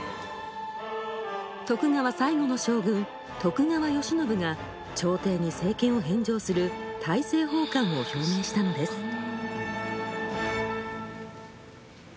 徳川最後の将軍・徳川慶喜が朝廷に政権を返上する大政奉還を表明したのです。